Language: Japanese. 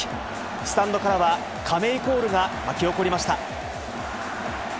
スタンドからは亀井コールが湧き起こりました。